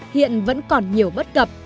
hiện vẫn còn nhiều bất cập